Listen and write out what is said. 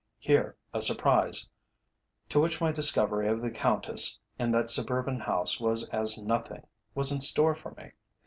Here a surprise, to which my discovery of the Countess in that suburban house was as nothing, was in store for me.